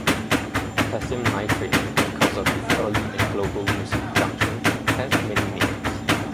Potassium nitrate, because of its early and global use and production, has many names.